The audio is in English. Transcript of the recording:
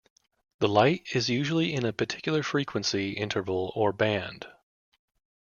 The light is usually in a particular frequency interval or band.